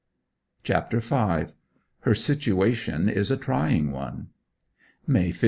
CHAPTER V. HER SITUATION IS A TRYING ONE May 15.